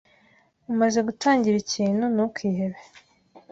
Umaze gutangira ikintu, ntukihebe.